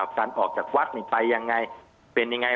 อ่ะฟันออกจากวัดนี้ไปยังไงเป็นยังไง